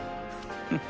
フッ。